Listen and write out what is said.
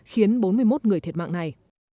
khiến bốn mươi một người thiệt mạng này